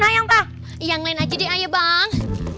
yang lain aja deh ayo bang